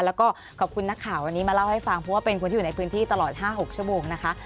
แล้วก็ขอบคุณนักข่าววันนี้มาเล่าให้ฟังเพราะว่าเป็นคนที่อยู่ในพื้นที่ตลอด๕๖ชั่วโมงนะคะ